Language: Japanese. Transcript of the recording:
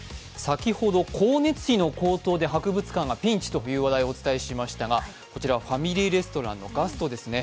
揮ほど光熱費の高騰で博物館がピンチというお話をしましたが、こちらはファミリーレストランのガストですね。